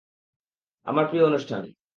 আমার প্রিয় অনুষ্ঠান।